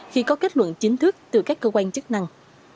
khi có kết luận chính thức từ các cơ quan chức năng